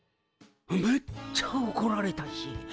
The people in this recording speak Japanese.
めっちゃおこられたし。